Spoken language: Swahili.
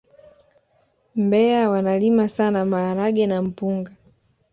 mbeya wanalima sana maharage na mpunga